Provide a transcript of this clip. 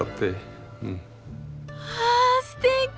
はあすてき！